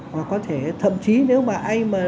và có thể thậm chí nếu mà ai mà